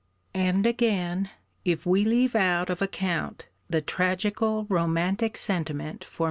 And again, if we leave out of account the tragical romantic sentiment for M.